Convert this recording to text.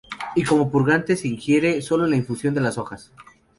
Y como purgante, se ingiere sólo la infusión de las hojas.